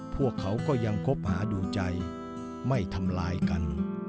พวกเขาก็ยังคบหาดูใจไม่ทำลายกัน